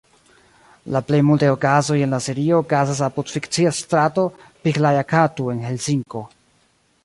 La plej multaj okazoj en la serio okazas apud fikcia strato Pihlajakatu en Helsinko.